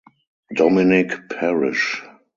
Dominic Parish.